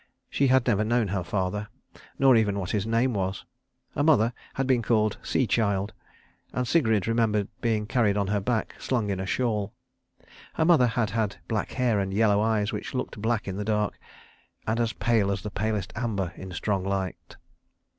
She had never known her father, nor even what his name was. Her mother had been called Sea child; and Sigrid remembered being carried on her back, slung in a shawl. Her mother had had black hair and yellow eyes which looked black in the dark, and as pale as the palest amber in strong light.